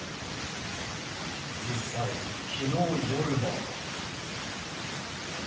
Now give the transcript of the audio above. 実際、きのう夜も。